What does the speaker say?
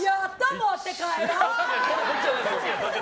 持って帰ろう！